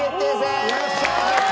よっしゃあ！